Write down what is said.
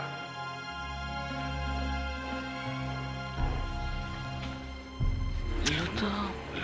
tidak ada yang bisa mengatakan bahwa dia sudah berbicara